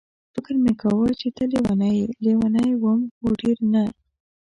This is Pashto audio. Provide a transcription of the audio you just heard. فکر مې کاوه چې ته لېونۍ یې، لېونۍ وم خو ډېره نه.